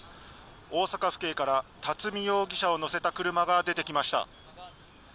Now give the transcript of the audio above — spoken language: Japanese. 大阪府警から巽容疑者を乗せた車が出てきました。